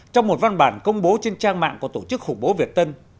trong một văn bản công bố trên trang mạng của tổ chức khủng bố việt tân